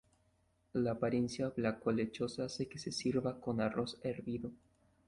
La apariencia blaco-lechosa hace que se sirva con arroz hervido